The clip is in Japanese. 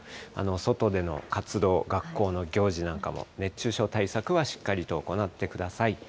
外での活動、学校の行事なんかも、熱中症対策はしっかりと行ってください。